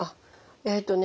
えっとね